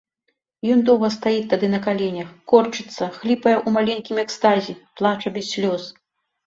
Ён доўга стаіць тады на каленях, корчыцца, хліпае ў маленькім экстазе, плача без слёз.